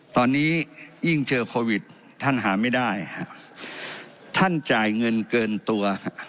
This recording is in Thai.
ตอนนี้ยิ่งเจอโควิดท่านหาไม่ได้ท่านจ่ายเงินเกินตัว